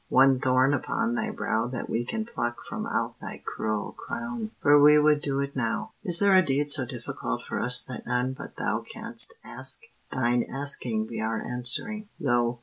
One thorn upon Thy brow That we can pluck from out Thy cruel crown? For we would do it now. Is there a deed so difficult for us That none but Thou canst ask? Thine asking be our answering. Lo!